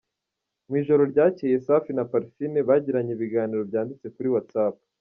Mu ijoro ryacyeye, Safi na Parfine bagiranye ibiganiro byanditse kuri WhatsApp .